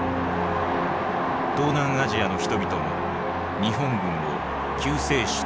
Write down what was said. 東南アジアの人々も日本軍を救世主と歓迎した。